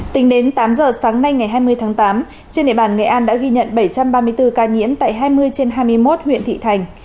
tính đến tám giờ sáng nay ngày hai mươi tháng tám trên địa bàn nghệ an đã ghi nhận bảy trăm ba mươi bốn ca nhiễm tại hai mươi trên hai mươi một huyện thị thành